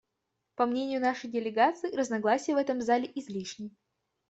По мнению нашей делегации, разногласия в этом зале излишни.